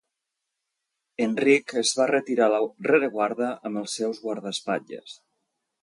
Enric es va retirar a la rereguarda amb els seus guardaespatlles.